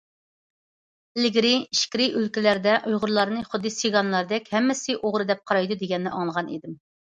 ئىلگىرى:« ئىچكىرى ئۆلكىلەردە ئۇيغۇرلارنى خۇددى سىگانلاردەك ھەممىسىنى ئوغرى دەپ قارايدۇ» دېگەننى ئاڭلىغان ئىدىم.